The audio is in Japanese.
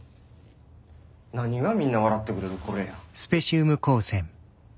何がみんな笑ってくれるこれや。